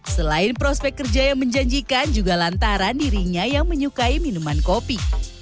selain prospek kerja yang menjanjikan juga lantaran dirinya yang menyukai minuman kopi